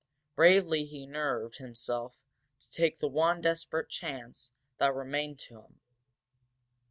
Bravely he nerved himself to take the one desperate chance that remained to him.